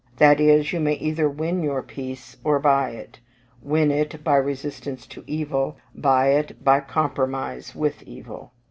That is, you may either win your peace, or buy it: win it, by resistance to evil; buy it, by compromise with evil.